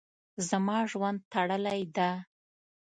زما ژوند تړلی ده.